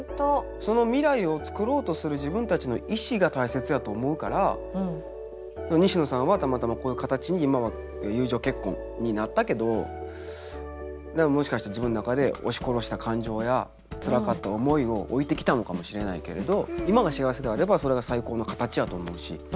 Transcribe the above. その未来をつくろうとする自分たちの意思が大切やと思うから西野さんはたまたまこういう形に今は友情結婚になったけどもしかして自分の中で押し殺した感情やつらかった思いを置いてきたのかもしれないけれど今が幸せであればそれが最高の形やと思うし。